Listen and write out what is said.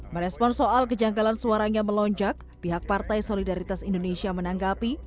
merespon soal kejanggalan suaranya melonjak pihak partai solidaritas indonesia menanggapi